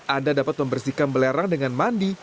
anda dapat membersihkan belerang dengan mandi